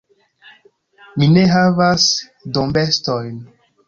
Mi ne havas dombestojn.